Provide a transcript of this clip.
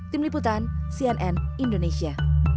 tim liputan cnn indonesia